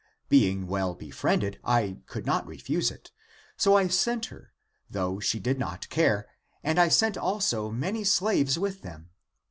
Being well befriended, I could not refuse it. So I sent her, though she did not care, and I sent also many slaves with them.